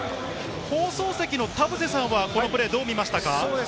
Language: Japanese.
放送席の田臥さんは、このプレー、どう見ましたか？